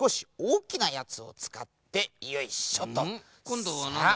こんどはなんだ？